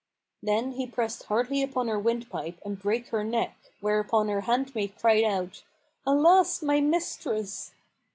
Then he pressed hardly upon her windpipe and brake her neck, whereupon her handmaid cried out "Alas, my mistress!"